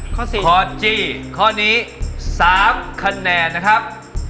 ๔พอจี้ข้อนี้๓คะแนนนะครับ